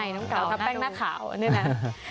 น้องเก๋าทำแป้งหน้าขาวนี่นะ